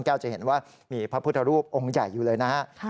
จะเห็นว่ามีพระพุทธรูปองค์ใหญ่อยู่เลยนะฮะ